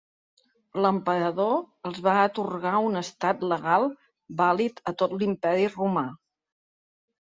L'emperador els va atorgar un estat legal vàlid a tot l'Imperi Romà.